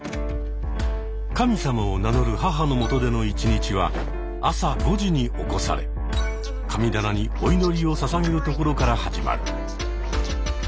神様を名乗る母のもとでの一日は朝５時に起こされ神棚にお祈りをささげるところから始まる。